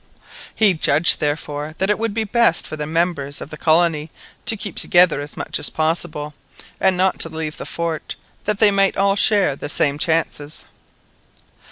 He judged, therefore, that it would be best for the members of the colony to keep together as much as possible, and not to leave the fort, that they might all share the same chances.